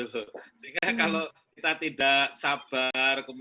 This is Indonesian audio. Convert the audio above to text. sehingga kalau kita tidak sabar